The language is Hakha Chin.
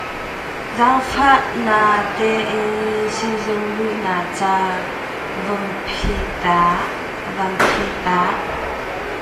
Zaangfahnak tein sizung luhnak ca van phi ta?